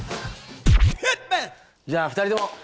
じゃあ２人とも！